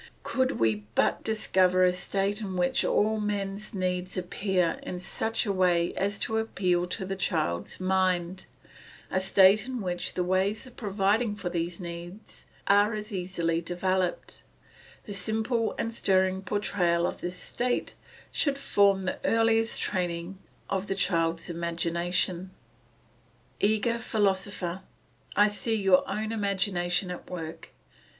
Could we but discover a state in which all man's needs appear in such a way as to appeal to the child's mind, a state in which the ways of providing for these needs are as easily developed, the simple and stirring portrayal of this state should form the earliest training of the child's imagination. Eager philosopher, I see your own imagination at work.